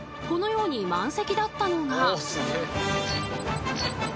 このように満席だったのが。